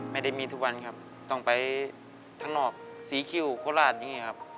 ไม่ได้มีทุกวันครับต้องไปข้างนอกสีคิ้วโคราชอย่างนี้ครับ